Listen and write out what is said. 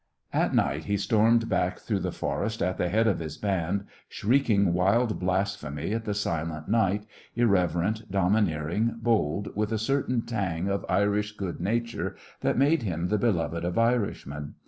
At night he stormed back through the forest at the head of his band, shrieking wild blasphemy at the silent night, irreverent, domineering, bold, with a certain tang of Irish good nature that made him the beloved of Irishmen.